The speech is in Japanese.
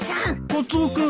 カツオ君。